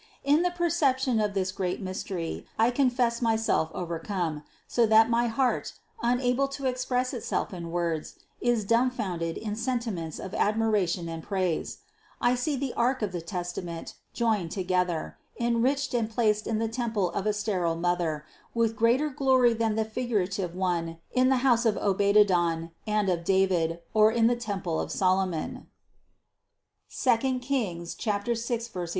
In the perception of this great mystery I confess myself overcome, so that my heart, unable to express itself in words, is dumbfounded in sentiments of admiration and of praise. I see the Ark of the Testament joined to gether, enriched and placed in the temple of a sterile mother with greater glory than the figurative one in the house of Obededon, and of David, or in the temple of Solomon (II Reg.